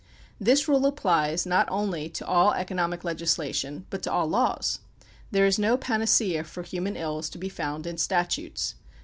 This rule applies not only to all economic legislation but to all laws. There is no panacea for human ills to be found in statutes.